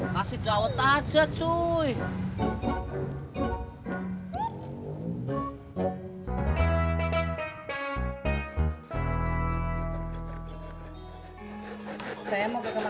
kasih jawet aja cuy